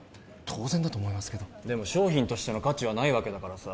当然だと思いますけどでも商品としての価値はないわけだからさ